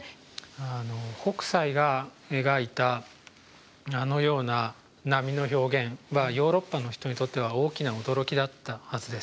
北斎が描いたあのような波の表現はヨーロッパの人にとっては大きな驚きだったはずです。